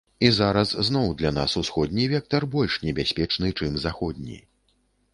І зараз зноў для нас усходні вектар больш небяспечны, чым заходні.